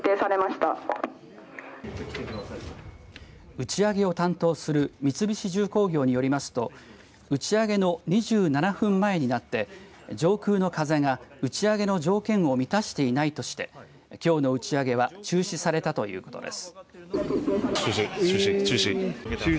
打ち上げを担当する三菱重工業によりますと打ち上げの２７分前になって上空の風が打ち上げの条件を満たしていないとしてきょうの打ち上げは中止されたということです。